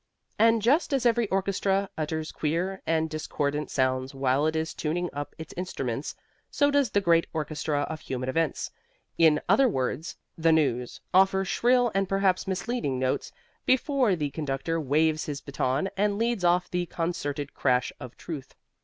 And just as every orchestra utters queer and discordant sounds while it is tuning up its instruments, so does the great orchestra of Human Events (in other words, The News) offer shrill and perhaps misleading notes before the conductor waves his baton and leads off the concerted crash of Truth.